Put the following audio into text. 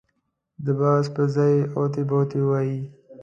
د بحث پر ځای اوتې بوتې ووایي.